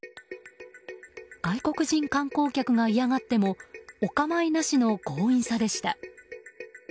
外国人観光客が嫌がってもお構いなしの強引さでした。